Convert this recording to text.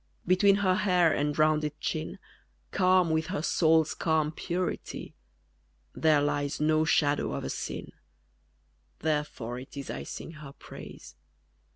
_ Between her hair and rounded chin, Calm with her soul's calm purity, There lies no shadow of a sin: _Therefore it is I sing her praise.